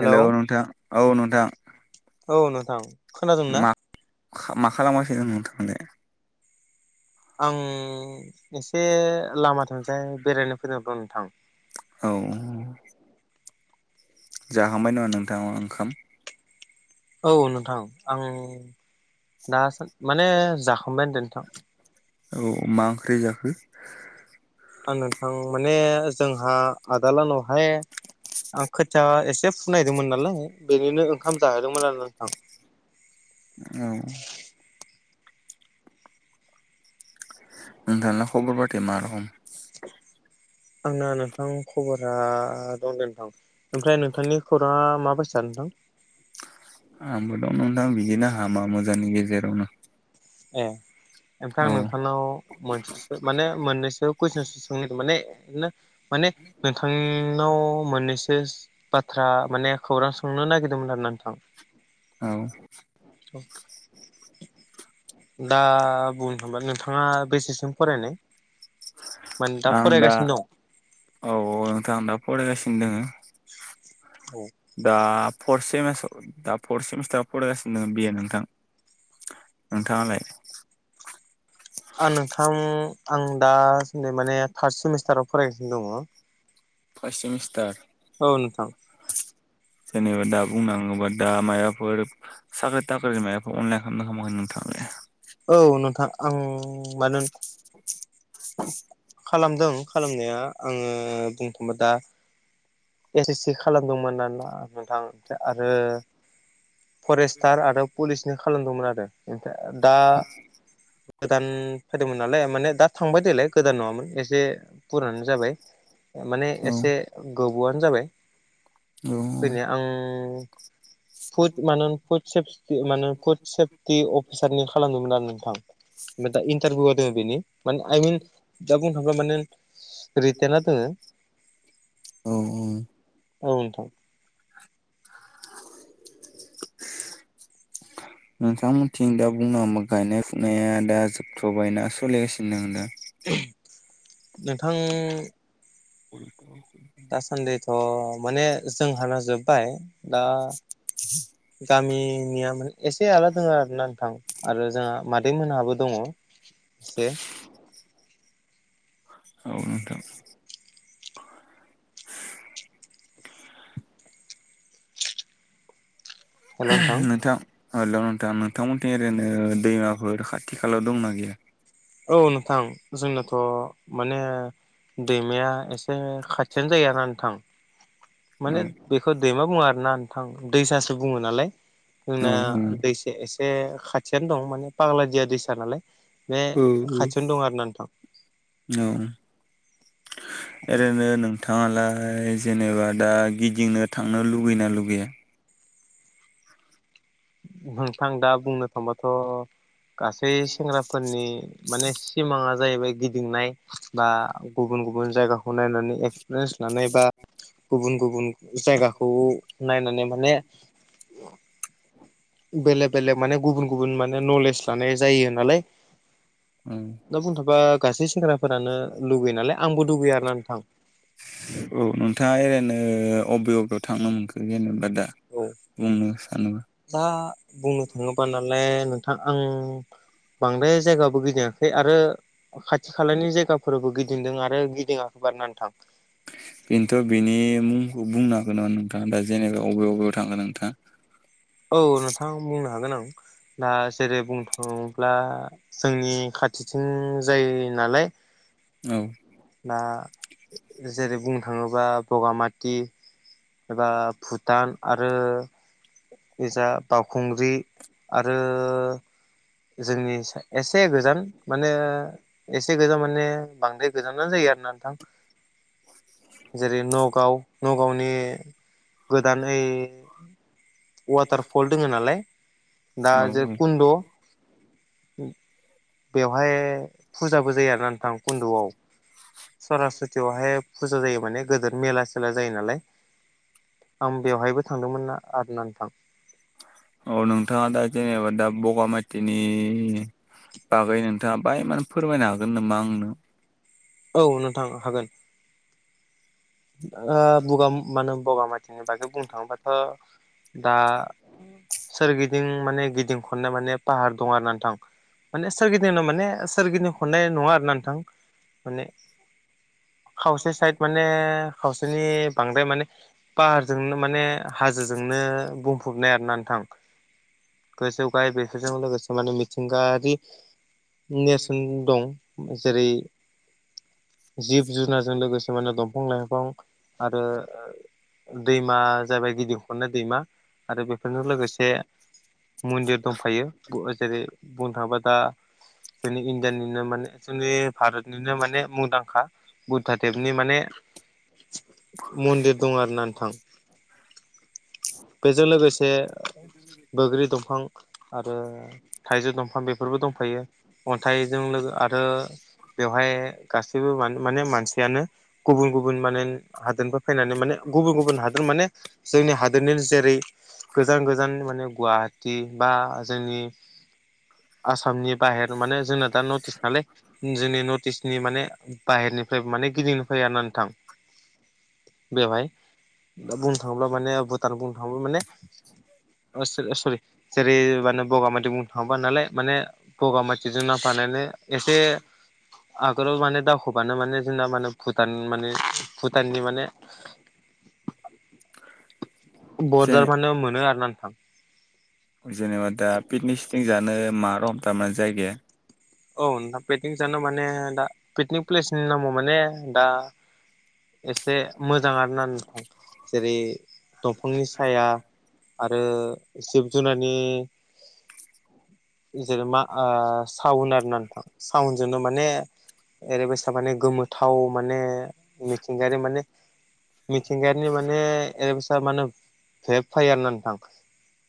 Hello नोंथां औ नोंथां नोंथां खोनादोंना मा मा खालाम गासैनो नोंथां आलाय आं एसे लामा थिंजाय बेरायनो फैदों दं नोंथां, औ जाहांबाय नामा नोंथां ओंखाम? औ नोंथां आं दा सान माने जाखांबाय होनदो नोंथां औ मा ओंख्रि जाखो? आं नोंथां माने जोंहा आदा लोहानावहाय आं खोथिया एसे सिनायदोंमोन नालाय बेनिनो ओंखाम जाहोदोंमोन आरो नोंथां औ नोंथांना खबर फाथिया मा रखम, आंना नोंथां खबरा दं दे नोंथां ओमफ्राय नोंथांनि खौराङा मा बायसा नोंथां, आंबो दं नोंथां बिदिनो हामा मोजांनि गेजेरावनो, ए ओमफ्रायाय औ आं नोंथांनाव, मोनसेसो माने मोननैसो कुइसनस सों माने, माने नोंथांनाव मोननैस सोस बाथ्रा माने खौरां सोंनो नागिरदोंमोन आरो ना नोंथां औ दा बुंनो थांबा नोंथाङा बेसेसिम, फरायनाय माने दा फरायगासिनो दं। औ औ नोंथां आं दा फरायगासिनो दङो। औ दा फर्थ सेमिस्टार दा फर्थ सेमिस्टाराव फरायगासिनो दङ बि ए नोंथां। नोंथाङालाय? आं नोंथां आं दा माने थार्ड सेमिस्टाराव फरायगासिनो दङ। First semester. औ नोंथां जेनेबा दा बुंनो हाङोबा दा मायबाफोर साख्रि थाख्रिनि मायबाफोर अनलाइन खालामदों ना खालामाखै नोंथांआलाय? औ नोंथां आं मानो- खालामदों खालामनाया आङो बुंनोथांबा दा एस एस सि खालामदोंमोन आरो ना नोंथां ओमफ्राय आरो फरेस्टार आरो पुलिसनि खालामदोंमोन आरो ओमफ्राय दा गोदान फैदोंमोन नालाय माने दा थांबाय देलाय गोदान नङामोन एसे फुराना जाबाय माने एसे औ गो- बावआनो जाबाय औ आं फुद [unintelligible] फुड सेफटि माने फुड सेफटि अफिसारनि खालामदोंमोन आरो नोंथां। ओमफ्राय दा इन्टारभिउ होदों बेनि माने आइमिन दा बुंनो थाङोब्ला माने रितेना दोङो। औ औ औ नोंथां [inaudible] [inaudible] नोंथांमोनथिं दा बुंनो हाङोब्ला गायनाय फुनाया दा जोबथ'बायना सोलिगासिनो दङो दा? नोंथां [unintelligible] दासान्दैथ' माने जोंहाना जोबबाय दा गामिनिया माने एसे आलदा दं आरोना नोंथां आरो जोंहा मादै मोनहाबो दङ एसे। [inaudible] औ नोंथां [unintelligible] नोंथां हेल' नोंथां नोंथां मोननिथथिं ओरैनो दैमाफोर खाथि-खालायाव दंना गैया? औ नोंथां जोंनाथ' माने दैमाया एसे खाथि थियानो जायो आरोना नोंथां। औ माने बेखौ दैमा बुङा आरो ना नोंथां दैसासो बुङो नालाय। औ जोंना दैसा एसे खाथियानो दं माने पाग्लादिया दैसा नालाय। बे उम खाथियावनो दं आरोना नोंथां उम औ ओरैनो नोंथां। नोंथाङालाय जेनेबा दा गिदिंनो थांनो लुगैना लुगैया? नोंथां दा बुंनो थांबाथ' गासै सेंग्राफोरनि माने सिमाङा जाहैबाय गिदिंनाय। बा गुबुन गुबुन जायगाखौ नायनानै एक्सपिरियेन्स लानाय बा गुबुन गुबुन जायगाखौ नायनानै माने बेलेग बेलेग माने गुबुन गुबुन माने नलेज लानाय जायो नालाय। उम दा बुंनो थांबा गासै सेंग्राफोरानो लुगैयो नालाय। आंबो लुगैयो आरो ना नोंथां। औ नोंथाङा ओरैनो अबे अबेयाव थांनो मोनखो जेनेबा दा। औ बुंनो सानो। दा बुंनो थाङोबा नालाय नोंथां आं बांद्राय जायगाबो गिदिंआ- खै आरो खाथि-खालानि जायगाफोरावबो गिदिंदों आरो गिदिङाखैबो आरो ना नोंथां। बिनोथ' बेनि मुंखौ बुंनो हागोन नामा नोंथाङा दा जेनेबा अबे बबेयाव थांगोन नोंथाङा? औ नोंथां बुंनो हागोन आं। दा जेरै बुंनो थाङोब्ला जोंनि खाथिथिं जायो नालाय। औ दा जेरै बुंनो थाङोबा बगामाथि एबा भुटान आरो एबा बावखुंग्रि आरो जोंनि एसे गोजान माने एसे गोजान माने बांद्राय गोजानानो जायो आरो ना नोंथां जेरै नगाव नगावनि गोदान ओइ वाटारफल दोङ नालाय दा औ जे कुन्द' बेवहाय फुजाबो जायो आरोना नोंथां कन्द'आव सरासतियावहाय फुजा जायो माने गोदो मेला सेला जायो नालाय आं बेवहायबो थांदोंमोन ना आरो नोंथां औ नोंथाङा दा जेनेबा दा बगामाथिनि बागै नोंथाङा बाहाय फोरमायनो हागोन नामा आंनो औ नोंथां हागोन बगा मा होनो बगामाथिनि बागै बुंनो थाङोबाथ' दा सोरगिदिं माने गिदिं खननाय माने पाहार दं आरो नोंथां माने सोरगिदिंनो माने सोरगिदिं हननाय नङा आरो ना नोंथां माने खावसे साइद माने खावसेनि बांद्राय माने पाहारजोंनो म माने हाजोजोंनो बुंफबनाय आरोना नोंथां गोजौ गाय बेफोरजों लोगोसे माने मिथिंगायारि नेरसोन दं जेरै जिब जुनारजों लोगोसे माने दंफां लाइफ बिफां आरो दैमा जाबाय गिदिंखननाय दैमा आरो बेफोरजों लोगोसे मन्दिर दंफायो जेरै बुंनो थाङोबा दा जोंनि इण्डियानिनो माने जोंनि भारतनिनो माने मुंदांखा बुद्धादेबनि माने मन्दिर दं आरो ना नोंथां बेजों लोगोसे बैग्रि दंफां आरो थाइजौ दंफां बेफोरबो दंफायो अन्थाइजों लोगो आरो बेवहाय गासैबो माने मानसियानो गुबुन गुबुन गुबुन माने हादोरफोर फैनानै माने गुबुन गुबुन हादोर माने जोंनि हादोरनि जेरै गोजान गोजान माने गुवाहाटि बा जोंनि आसामनि बाहेर माने जोंना दा नर्थ इस्ट नालाय जोंनि नर्थ इस्टनि माने बाहेरनिफ्राय माने गिदिंनोफ्राय आरोा नोंथां बेवहाय दा बुंनो थाङोब्ला माने भुटान बुंनो थाङोब्ला माने अ सेर सेर माने बगामाथि बुंनो थाङोबा नालाय माने बगामाथिजों नांफानानै एसे आगोलाव माने दावखोबानो माने जोंना माने भुटान माने भुटाननि माने [unintelligible] मोनो जेने आरोना नोंथां जेनेबा दा पिकनिक सिकनिक जानो मा रखम माने जायगाया औ नोंथां पिकनिक जानो माने दा पिकनिक प्लेसनि नामाव माने दा एसे मोजां आरोना नोंथां जेरै दंफांनि साया आरो जिब जुनारनि जेरै मा ओ सावन आरो ना नोंथां सावनजोंनो माने ओरैबायसा माने गोमोथाव माने मिथिंगायारि माने मिथिंगायारिनि माने ओरैबायसा माने भेब फायारना नोंथां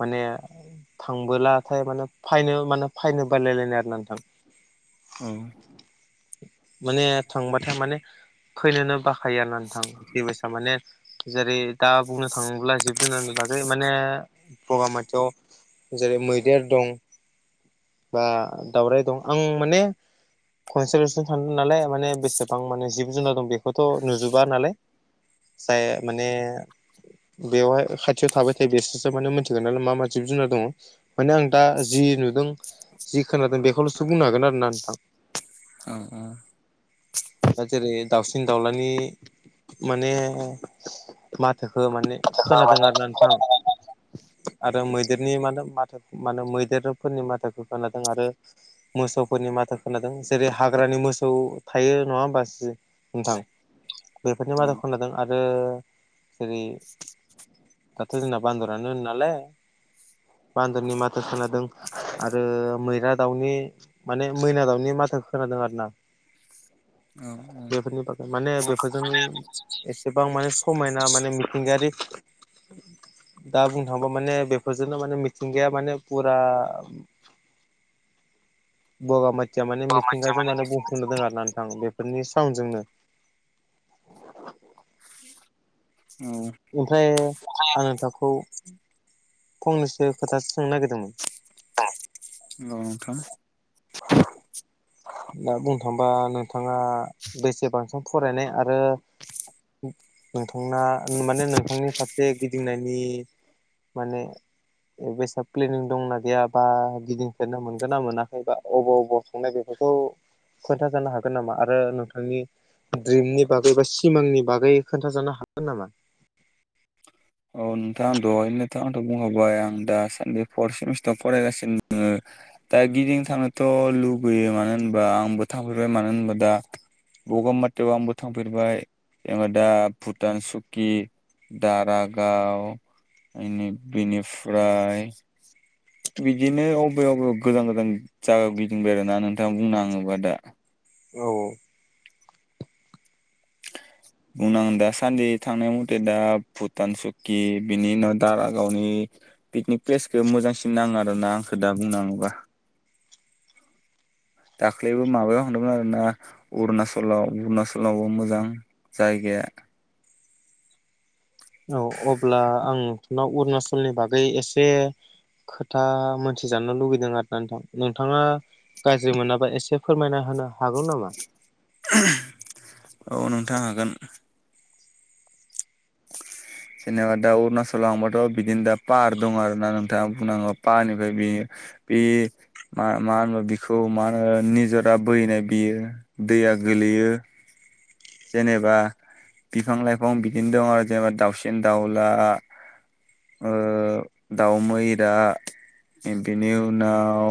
माने थांबोलाथाय माने फायनो माने फायनो बालायलायनाय आरोना नोंथां औ माने थांबाथाय माने फैनोनो बाखायो आरोना नोंथां बेबायसा माने जेरै दा बुंनो थाङोब्ला जिब जोंना नुुबाखै माने बगामाथियाव जेरै मैदेर दं बा दावराय दं आं माने कनसेल'सो थांदों नालाय माने बेसा गोबां माने जिब जुनार दं बेखौथ' नुजोबा नालाय जाय माने बेवहाय खाथियाव थाबाय थायो बेसोरसो माने मोनथिगोन नालाय मा मा जिब जुनार दङ। माने आं दा जि नुदों जि खोनादों बेखौल'सो बुंनो हागोन आरो ना नोंथां। औ औ। दा जेरै दाउसिन दाउलानि माने माथोखो माने खोनादों आरोना नोंथां ओं। आरो मैदेरनि मानो माथा मानो मैदेरफोरनि माथाइखौ खोनादों आरो मोसौफोरनि माथो खोनादों जेरै हाग्रानि मोसौ थायो। नङा होमबा सि नोंथां बेफोरनि औ मादाव खोनादों आरो जेरै गाथ' जोंना बान्दरानो नालाय। बान्दोनि माथो खोनादों आरो मैरा दाउनि। माने मैना दाउनि माथो खोनादों आरो ना। औ बेफोरनि बागै माने बेफोरजों एसेबां माने समायना माने हिंगारि दा बुंनो थाङोबा माने बेफोरजोंनो माने मिथिंगाया माने फुरा [unintelligible] बगामाथिया माने मिथिंगाजों माने बुंफुंनो दङ आरो ना नोंथां बेफोरनि साउन्डजोंनो। [unintelligible] ओमफ्राय आङो दाखौ फंनैसो खोथासो सोंनो नागिरदोंमोन। [unintelligible] दा बुंनो थाङोबा नोंथाङा बेसेबां सम फरायनाय आरो नोंथांना माने नोंथांनि फारसे गिदिंनायनि माने ए बेस प्लेनिं दंना गैया बा गिदिंफेरनो मोनगोन ना मोनाखैबा बबाव बबाव थांनाय? बेखौ खोन्था जानो हागोन नामा आरो नोंथांनि ड्रिमनि बागै बा सिमांनि बागै खोन्थाजानो हागोन नामा? औ नोंथां आं दहायनोथ' आथ' बुंखाबाय आं दा सानदे फर्थ सेमिस्टाराव फरायगासिनो दङो। दा गिदिं थांनोथ' लुबैयो मानो होनबा आंबो थांफैबाय मानो होनब्ला दा बगामातियाव आंबो थांफेरबाय ओमफाय दा भुटान सुकि दारागाव इनि बेनिफ्राय बिदिनो अबे बबे गोजान गोजान जागायाव गिदिंबाय आरोना नोंथां बुंनो थाङोबा दा। औ। बुंनां दा सानदि थांनाय मथे दा भुटान सुक्कि बिनि उनाव दारागावनि पिकनिक प्लेसखौ मोजांसिन नाङो आरोना आंखौ दा बुंनाङोबा। दाख्लैबो माबायाव थांदोंमोन आरोना अरुणाचलाव अरुणाचलावबो मोजां। जायगाया औ अब्ला आं नोंथांनाव अरुणाचलनि बागै एसे खोथा मोनथिजानो लुगैदों आरो ना नोंथां नोंथाङा गाज्रि मोनाबा एसे फोरमायना होनो हागौ नामा? औ नोंथां हागोन। [unintelligible] जेनेबा दा अरुणाचलाव थांबाथ' बिदिनो दा पाहार दं आरो ना नोंथाङा बुंनांगौ पाहनिफ्राय बियो बे मा मा होनो बिखौ मा होनो निजोरा बोहैनाय बियो दैया गोलैयो जेनेबा बिफां लाइफां बिदिनो दं आरो। जेनेबा दाउसिन, दाउला ओ दाउ मैरा बेनि उनाव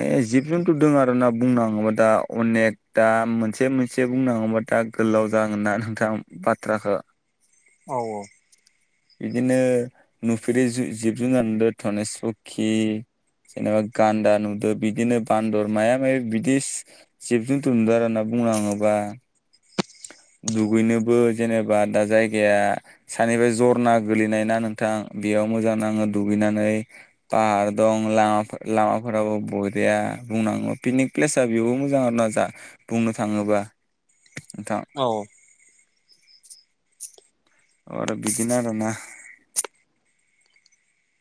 ए जिब जुनथु दङ आरोना बुंनो थाङोबा दा अनेक दा मोनसे मोनसे बुंनांगौबा दा गोलाव जागोन ना नोंथां बाथ्राखौ औ औ बिदिनो नुफेरै जिब जुनार [unintelligible] जेनेबा गान्दा नुदो बिदिनो बान्दर माया माया बिदिस जिब जुनथु नुदोंमोन आरोना बुंनो थङोबा दुगैनोबो जेनेबा दा जायगाया सानिफ्राय जरना गोलैनाय ना नोंथां बेयाव मोजां नाङो दुगैनानै पाहार दं ला-लामाफोराबो बरिया बुंनांगौ पिकनिक प्लेस बेवबो मोजां आरोना जा बुंनो थाङोब्ला नोंथां औ आरो बिदिनो आरोना